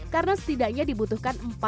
karena setidaknya dibutuhkan